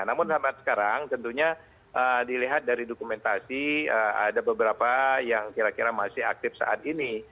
namun sampai sekarang tentunya dilihat dari dokumentasi ada beberapa yang kira kira masih aktif saat ini